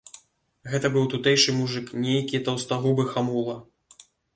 Гэта быў тутэйшы мужык, нейкі таўстагубы хамула.